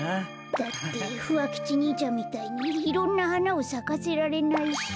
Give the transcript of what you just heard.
だってふわ吉にいちゃんみたいにいろんなはなをさかせられないし。